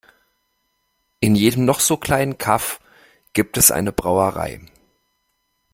In jedem noch so kleinen Kaff gibt es eine Brauerei.